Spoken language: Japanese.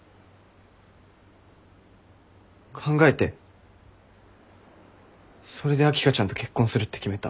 考えてそれで秋香ちゃんと結婚するって決めた。